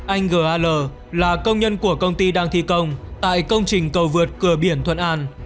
anh g a l là công nhân của công ty đang thi công tại công trình cầu vượt cửa biển thuận an